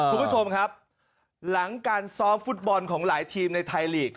คุณผู้ชมครับหลังการซ้อมฟุตบอลของหลายทีมในไทยลีก